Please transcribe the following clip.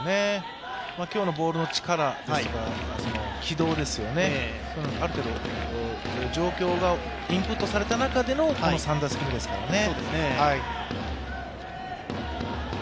今日のボールの力ですとか軌道、ある程度状況がインプットされた中での３打席目ですからね。